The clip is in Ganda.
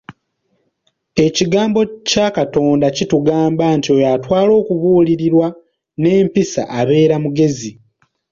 Ekigambo kya Katonda kitugamba nti oyo atwala okubuulirirwa n'empisa abeera mugezi.